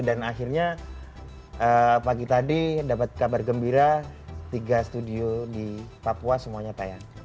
dan akhirnya pagi tadi dapat kabar gembira tiga studio di papua semuanya tayang